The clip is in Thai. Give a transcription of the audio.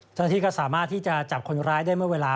เจ้าหน้าที่ก็สามารถที่จะจับคนร้ายได้เมื่อเวลา